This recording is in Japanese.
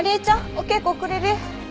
お稽古遅れるえ。